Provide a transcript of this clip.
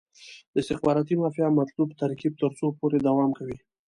د استخباراتي مافیا مطلوب ترکیب تر څو پورې دوام کوي.